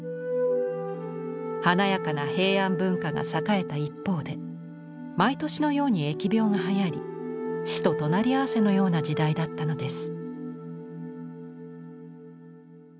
華やかな平安文化が栄えた一方で毎年のように疫病がはやり死と隣り合わせのような時代だったのです。